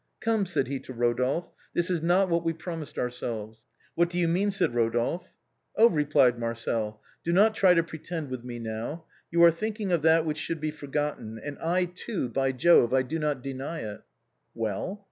" Come," said he to Eodolphe ;" this is not what we promised ourselves." "What do you mean?" said Eodolphe. " Oh !" replied Marcel ;" do not try to pretend with me now. You are thinking of that which should be for gotten, and I too, by Jove, I do not deny it." "Well?"